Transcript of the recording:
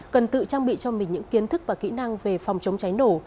cần tự trang bị cho mình những kiến thức và kỹ năng về phòng chống cháy nổ